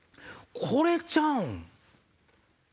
これちゃうん？